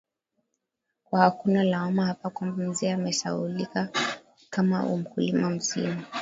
kwa hakuna lawama hapa kwamba mzee amesahulika kama u mkulima lazima